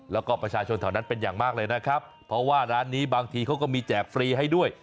แล้วก็ประชาชนแถวนั้นเป็นอย่างมากเลยนะครับเพราะว่าร้านนี้บางทีเขาก็มีแจกฟรีให้ด้วย